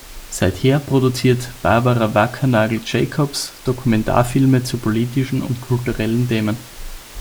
Seither produziert Barbara Wackernagel-Jacobs Dokumentarfilme zu politischen und kulturellen Themen.